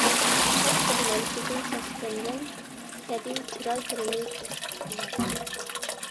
سەت بىر نەرسىدىن سەسكەنگەن كەبى، چىرايلىرىنى پۈرۈشتى ئۇلار.